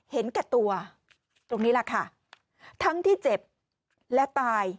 เห็นแก่ตัวตรงนี้แหละค่ะทั้งที่เจ็บและตาย